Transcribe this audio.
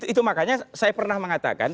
itu makanya saya pernah mengatakan